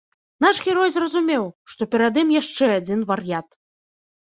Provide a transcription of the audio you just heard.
Наш герой зразумеў, што перад ім яшчэ адзін вар'ят.